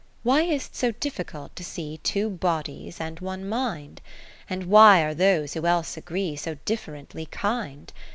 V Why is 't so difficult to see I'wo bodies and one mind ? And why are those w^ho else agree So differently kind